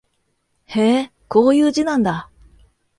へえ、こういう字なんだ